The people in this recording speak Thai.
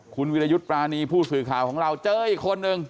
คุณวิรยุทธ์ปรานีผู้สื่อข่าวของเราเจออีกคนนึง